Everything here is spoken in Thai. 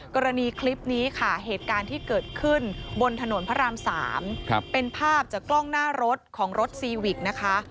กรณีคลิปนี้ค่ะเหตุการณ์ที่เกิดขึ้นบนถนนพระราม๓เป็นภาพจากกล้องหน้ารถของรถซีวิกนะคะ